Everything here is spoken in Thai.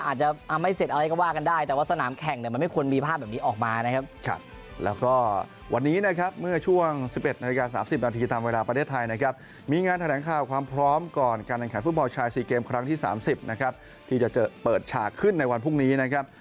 อาจจะไม่เสร็จอะไรก็ว่ากันได้แต่ว่าสนามแข่งเนี่ยมันไม่ควรมีภาพแบบนี้ออกมานะครับ